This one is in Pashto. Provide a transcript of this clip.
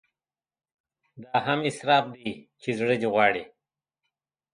دا هم اسراف دی چې زړه دې غواړي.